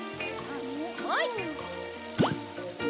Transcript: はい！